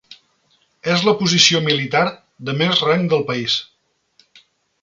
És la posició militar de més rang del país.